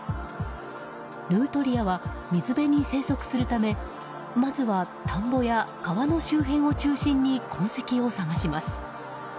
ヌートリアは水辺に生息するためまずは田んぼや川の周辺を中心に痕跡を探します。